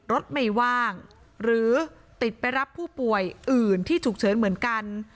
รถไม่ว่างหรือติดไปรับผู้ป่วยอื่นที่ฉุกเฉินเหมือนกัน